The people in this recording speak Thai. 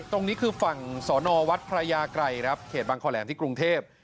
ตรงนี้คือฝั่งสอนอวัดพระยาไกรครับเขตบางคอแหลมที่กรุงเทพ